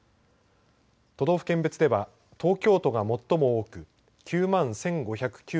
・都道府県別では東京都が最も多く９万１５９９人。